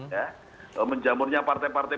ya menjamurnya partai partai